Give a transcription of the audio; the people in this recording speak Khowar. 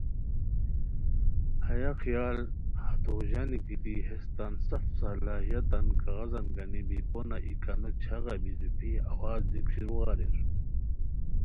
ہیہ خیال ہتو ژانی گیتی ہیس تان سف صلاحیتان کاغذان گنی بی پونہ ای کانو چھاغہ بی روپھی ہواز دیک شروع اریر